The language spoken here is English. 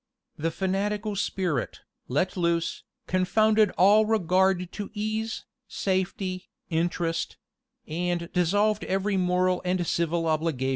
The fanatical spirit, let loose, confounded all regard to ease, safety, interest; and dissolved every moral and civil obligation.